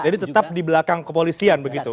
jadi tetap di belakang kepolisian begitu